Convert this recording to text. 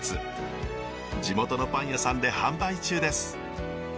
地元のパン屋さんで販売中です。